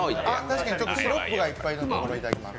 確かに、シロップがいっぱいのところいただきます。